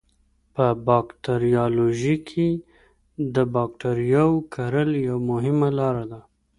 په باکتریالوژي کې د بکټریاوو کرل یوه مهمه لاره ده.